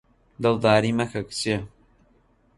دڵداری مەکە کچێ